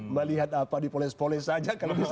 melihat apa di polis polis saja kalau bisa